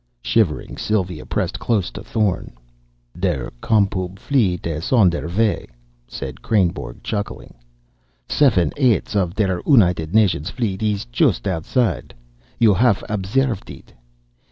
Shivering, Sylva pressed close to Thorn. "Der Com Pub fleet is on der way," said Kreynborg, chuckling. "Sefen eights of der United Nations fleet is just outside. You haff observed it.